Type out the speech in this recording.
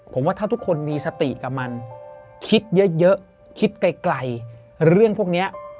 ผมว่าถ้าทุกคนมีสติกับมันคิดเยอะคิดไกลเรื่องพวกนี้